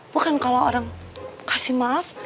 bukan kalau orang kasih maaf